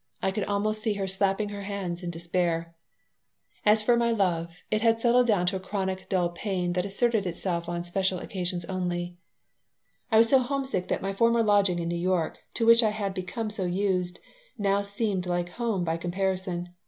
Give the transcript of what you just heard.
I could almost see her slapping her hands in despair As for my love, it had settled down to a chronic dull pain that asserted itself on special occasions only I was so homesick that my former lodging in New York, to which I had become used, now seemed like home by comparison.